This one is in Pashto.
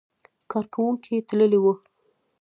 کارکوونکي یې تللي وو.